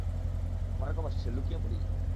ভার্গব আসছে, লুকিয়ে পড়ি।